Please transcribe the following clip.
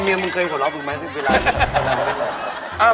เมียมึงเคยหัวเราะภูมิไหมวิทย์พื้นอะไร